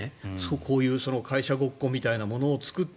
こういう会社ごっこみたいなものを作って。